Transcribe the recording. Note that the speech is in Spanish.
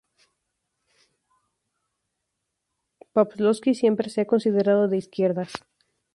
Pavlovsky siempre se ha considerado de izquierdas.